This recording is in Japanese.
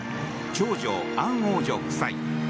長女アン王女夫妻